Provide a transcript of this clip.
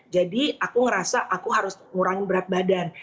jadi aku ngerasa aku harus ngurangin berat badan